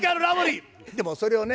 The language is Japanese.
でもそれをね